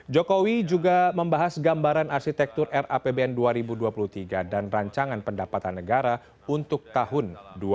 jokowi juga membahas gambaran arsitektur rapbn dua ribu dua puluh tiga dan rancangan pendapatan negara untuk tahun dua ribu dua puluh